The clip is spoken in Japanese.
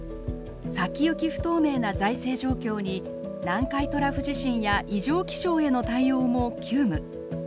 「先行き不透明な財政状況に南海トラフ地震や異常気象への対応も急務」。